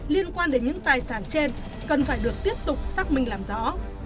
liên quan đến những tài sản trên cần phải được tiếp tục xác minh làm rõ